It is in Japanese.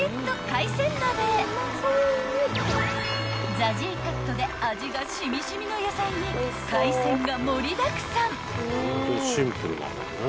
［ＺＡＺＹカットで味が染み染みの野菜に海鮮が盛りだくさん］